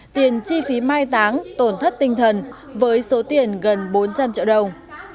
tiền chi phí mai táng tổn thất tinh thần với số tiền gần bốn trăm linh triệu đồng